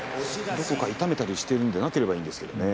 どこか痛めたりしているのでなければいいですけれどね。